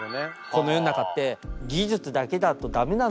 この世の中って技術だけだと駄目なのよ。